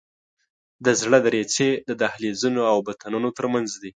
د زړه دریڅې د دهلیزونو او بطنونو تر منځ دي.